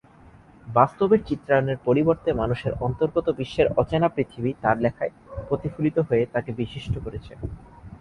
বাস্তবের চিত্রায়নের পরিবর্তে মানুষের অন্তর্গত বিশ্বের অচেনা পৃথিবী তার লেখায় প্রতিফলিত হয়ে তাকে বিশিষ্ট করেছে।